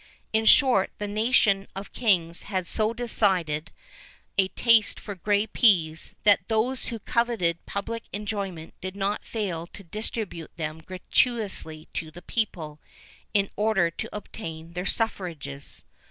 [VIII 32] In short, the nation of kings had so decided a taste for grey peas, that those who coveted public employment did not fail to distribute them gratuitously to the people, in order to obtain their suffrages.